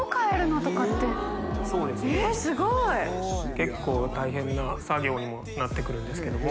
結構大変な作業にはなってくるんですけども。